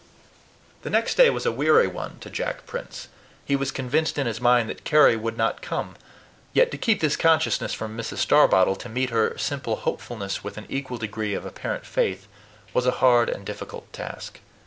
The next day was a weary one to Jack Prince. He was convinced in his mind that Carry would not come; yet to keep this consciousness from Mrs. Starbottle, to meet her simple hopefulness with an equal degree of apparent faith, was a hard and difficult task.